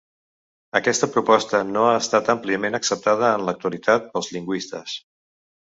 Aquesta proposta no ha estat àmpliament acceptada en l'actualitat pels lingüistes.